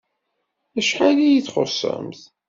Acḥal iyi-txuṣṣemt!